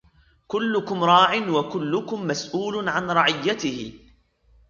كلكم راع وكلكم مسؤول عن رعيته